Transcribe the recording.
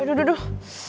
aduh aduh aduh